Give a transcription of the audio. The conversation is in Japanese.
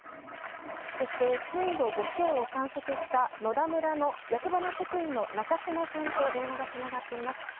そして震度５強を観測した野田村の役場の職員のナカシマさんと電話がつながっています。